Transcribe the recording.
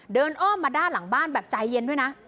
อ้อมมาด้านหลังบ้านแบบใจเย็นด้วยนะ